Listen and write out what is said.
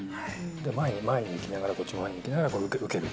前に前に行きながら、こっちも前に前に行きながら受ける。